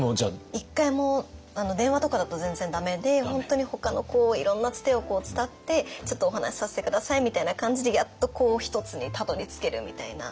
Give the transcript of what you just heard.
１回も電話とかだと全然駄目で本当にほかのいろんなつてを伝って「ちょっとお話しさせて下さい」みたいな感じでやっと一つにたどりつけるみたいな。